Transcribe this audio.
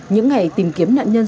những ngày tìm kiếm nạn nhân